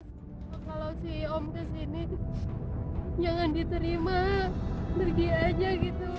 kalau si om kesini jangan diterima pergi aja gitu